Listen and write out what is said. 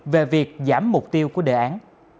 về việc giảm mục tiêu của đề án